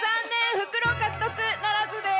袋獲得ならずです。